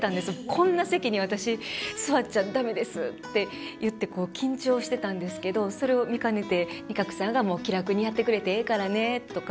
「こんな席に私座っちゃ駄目です」って言って緊張してたんですけどそれを見かねて仁鶴さんが「気楽にやってくれてええからね」とか。